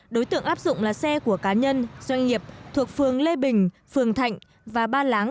đối tượng áp dụng là xe của cá nhân doanh nghiệp thuộc phường lê bình phường thạnh và ba láng